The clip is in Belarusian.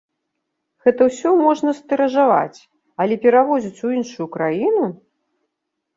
Гэта ўсё можна стыражаваць, але перавозіць у іншую краіну?